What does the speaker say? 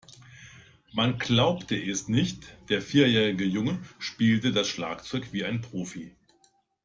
Man glaubte es nicht, der vierjährige Junge spielte das Schlagzeug wie ein Profi.